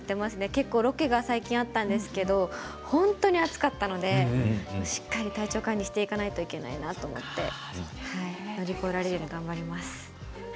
結構ロケが最近あったんですけれど本当に暑かったのでしっかり体調を管理していかないといけないなと思って乗り越えられるように頑張ります。